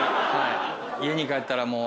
家に帰ったらもう。